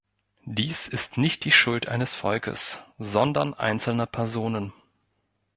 Dies ist nicht die Schuld eines Volkes, sondern einzelner Personen.